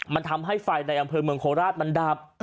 มันทำให้ไฟในอำเภอเมืองโคราชมันดับ